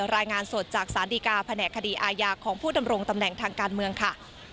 รายงานสดจากสารดีกาแผนกคดีอาญาของผู้ดำรงตำแหน่งทางการเมืองค่ะ